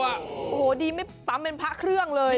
โอ้โหดีไม่ปั๊มเป็นพระเครื่องเลย